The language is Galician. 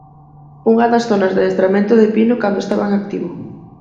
Unha das zonas de adestramento de Pino cando estaba en activo.